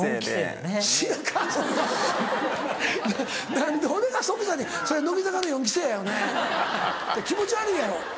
何で俺が即座に「それ乃木坂の４期生やよね」。気持ち悪いやろ。